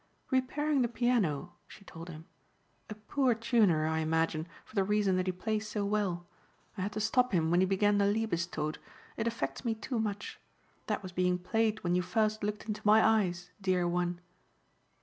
"Repairing the piano," she told him, "a poor tuner I imagine for the reason that he plays so well. I had to stop him when he began the Liebestod. It affects me too much. That was being played when you first looked into my eyes, dear one."